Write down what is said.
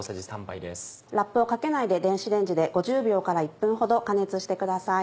ラップをかけないで電子レンジで５０秒から１分ほど加熱してください。